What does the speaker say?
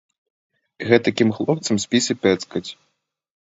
Гэтакім хлопцам спісы пэцкаць.